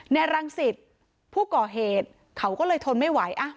รังสิตผู้ก่อเหตุเขาก็เลยทนไม่ไหว